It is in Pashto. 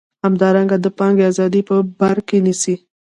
همدارنګه د پانګې ازادي په بر کې نیسي.